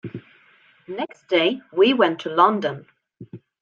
Next day we went to London.